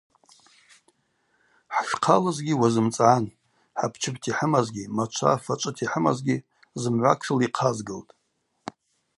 Хӏшхъалызгьи уазымцӏгӏан, хӏапчыпта йхӏымазгьи, мачва, фачӏвыта йхӏымазгьи зымгӏва тшыла йхъазгылтӏ.